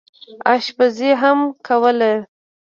اشپزي هم کوله.